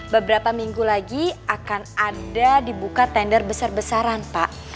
beberapa minggu lagi akan ada dibuka tender besar besaran pak